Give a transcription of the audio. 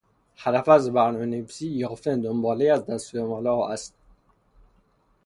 هدف از برنامهنویسی یافتن دنباله ای از دستورالعملها است